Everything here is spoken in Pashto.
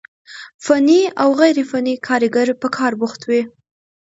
فني او غير فني کاريګر په کار بوخت وي،